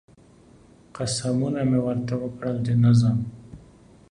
قسمونه مې ورته وکړل چې نه ځم